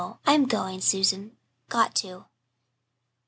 I'm going, Susan got to."